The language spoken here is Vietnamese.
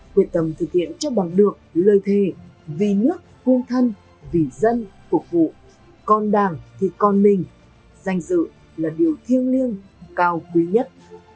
quyết tâm thực hiện cho bằng được lời thề vì nước cung thân vì dân phục vụ con đảng thì con mình danh dự là điều thiêng liêng cao quý nhất